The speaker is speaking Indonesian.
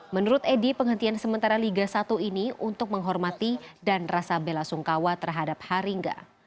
menurut edi penghentian sementara liga satu ini untuk menghormati dan rasa bela sungkawa terhadap haringga